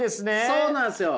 そうなんですよ。